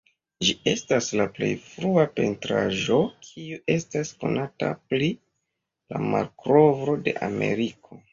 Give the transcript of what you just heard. Ĝi estas la plej frua pentraĵo kiu estas konata pri la malkovro de Ameriko.